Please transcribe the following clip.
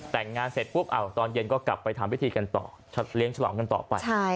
แต่งงานเสร็จปุ๊บตอนเย็นก็กลับไปทำพิธีกันต่อเลี้ยงฉลองกันต่อไป